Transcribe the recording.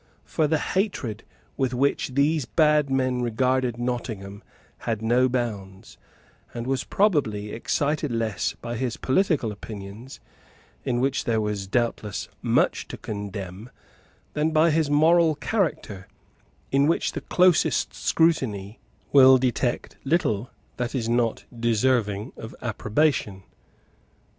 For the hatred with which these bad men regarded Nottingham had no bounds, and was probably excited less by his political opinions, in which there was doubtless much to condemn, than by his moral character, in which the closest scrutiny will detect little that is not deserving of approbation.